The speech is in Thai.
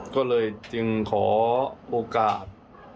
ก็เลยจึงขอโอกาส